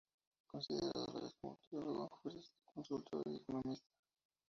Considerado a la vez como teólogo, jurisconsulto y economista.